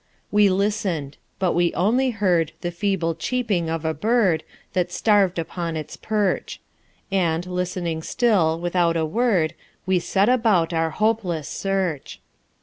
We listened; but we only heard The feeble cheeping of a bird That starved upon its perch: And, listening still, without a word, We set about our hopeless search.